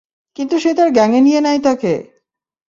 কিন্তু সে তার গ্যাংয়ে নিয়ে নেয় তাকে!